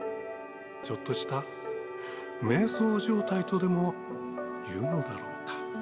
ちょっとしためい想状態とでもいうのだろうか。